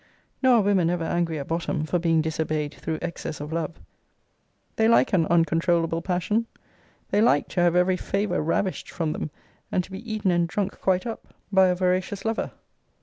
Nor are women ever angry at bottom for being disobeyed through excess of love. They like an uncontroulable passion. They like to have every favour ravished from them, and to be eaten and drunk quite up by a voracious lover.